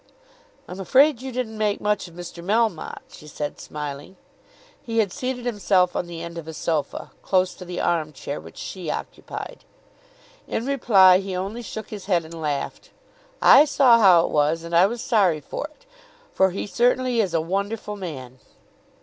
"I'm afraid you didn't make much of Mr. Melmotte," she said smiling. He had seated himself on the end of a sofa, close to the arm chair which she occupied. In reply, he only shook his head and laughed. "I saw how it was, and I was sorry for it; for he certainly is a wonderful man."